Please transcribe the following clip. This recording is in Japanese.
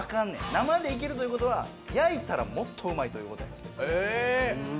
生でいけるという事は焼いたらもっとうまいという事やねん。